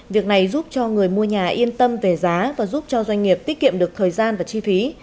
việc này giúp cho người mua nhà yên tâm về giá và giúp cho doanh nghiệp tiết kiệm được thời gian và chi phí